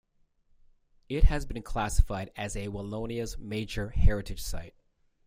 It has been classified as a Wallonia's Major Heritage site.